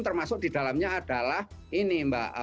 termasuk di dalamnya adalah ini mbak